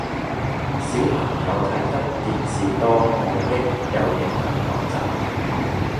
小朋友睇得電視多冇益又影響學習